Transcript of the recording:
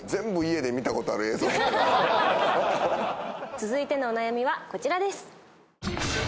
続いてのお悩みはこちらです。